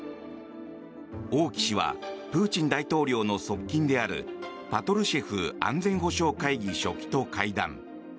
王毅氏はプーチン大統領の側近であるパトルシェフ安全保障会議書記と会談。